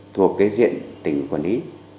thuộc cái diện tỉnh quản lý